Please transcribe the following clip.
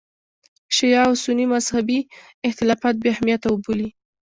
شیعه او سني مذهبي اختلافات بې اهمیته وبولي.